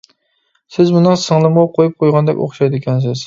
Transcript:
سىز مېنىڭ سىڭلىمغا قۇيۇپ قويغاندەك ئوخشايدىكەنسىز.